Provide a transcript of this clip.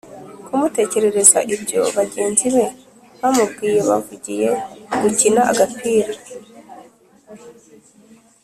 kumutekerereza ibyo bagenzi be bamubwiye bavuye gukina agapira.